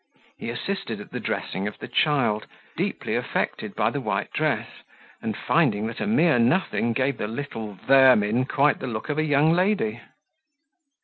He assisted at the dressing of the child, deeply affected by the white dress and finding that a mere nothing gave the little vermin quite the look of a young lady.